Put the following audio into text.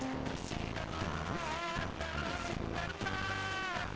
cinta suci kalian terpisahkan